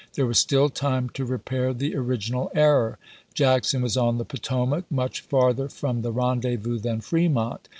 There was still time to repair the original error. Jackson was on the Potomac, much farther from the rendezvous than Fremont.